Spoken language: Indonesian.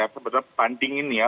sebetulnya banding ini ya